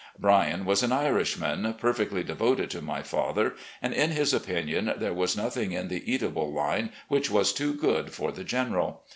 Bryan was an Irishman, per fectly devoted to my father, and, in his opinion, there was nothing in the eatable line which was too good for the General.